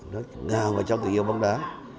nó ngào vào trong tình yêu bóng đá